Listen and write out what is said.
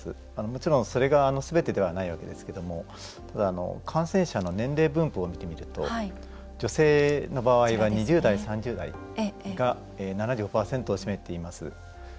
もちろんそれがすべてではないわけですがただ、感染者の年齢分布を見てみると、女性の場合は２０代３０代が７５％を占めています。